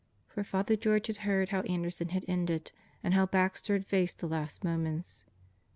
For Father George had heard how Anderson had ended and how Baxter had faced the last moments.